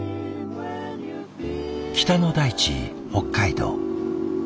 北の大地北海道。